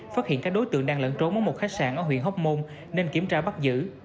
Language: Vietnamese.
phát hiện các đối tượng đang lẫn trốn ở một khách sạn ở huyện hóc môn nên kiểm tra bắt giữ